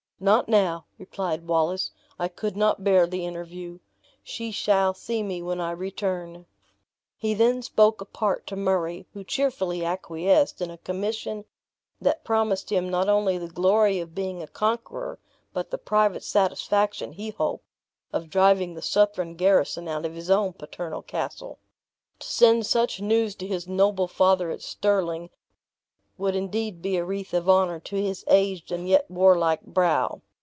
"Not now," replied Wallace, "I could not bear the interview she shall see me when I return." He then spoke apart to Murray, who cheerfully acquiesced in a commission that promised him not only the glory of being a conqueror, but the private satisfaction, he hoped, of driving the Southron garrison out of his own paternal castle. To send such news to his noble father at Stirling, would indeed be a wreath of honor to his aged and yet warlike brow.